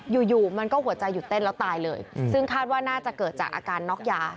อยู่อยู่มันก็หัวใจหยุดเต้นแล้วตายเลยซึ่งคาดว่าน่าจะเกิดจากอาการน็อกยา